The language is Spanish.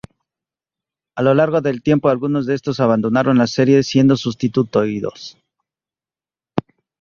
A lo largo del tiempo, algunos de estos abandonaron la serie siendo sustituidos.